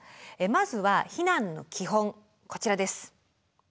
まずは避難の基本こちらです。